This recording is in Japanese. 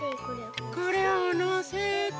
これをのせて。